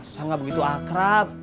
saya gak begitu akrab